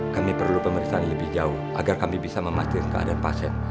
kami perlu pemeriksaan lebih jauh agar kami bisa memastikan keadaan pasien